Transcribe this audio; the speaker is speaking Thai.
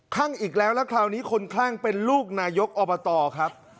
อีกแล้วแล้วคราวนี้คนคลั่งเป็นลูกนายกอบตครับ